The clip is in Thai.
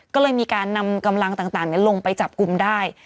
ก็เลยมีการนำกำลังต่างลงไปจับกลุ่มได้